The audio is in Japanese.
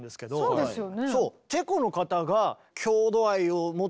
そうですよね。